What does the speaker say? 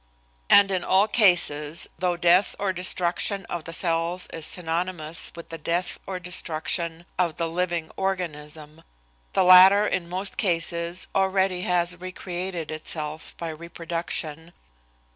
And in all cases, though death or destruction of the cells is synonymous with the death or destruction of the living organism, the latter in most cases already has recreated itself by reproduction.